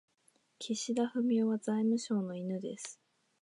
岸田文雄は財務省の犬です。